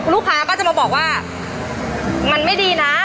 ลูกค้าก็จะมาบอกว่ามันไม่ดีนะ